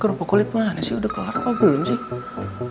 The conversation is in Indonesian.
kerupuk kulit mana sih udah kelar apa belum sih